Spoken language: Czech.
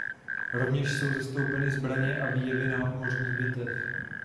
Rovněž jsou zastoupeny zbraně a výjevy námořních bitev.